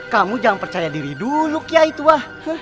kamu jangan percaya diri dulu kiai tuah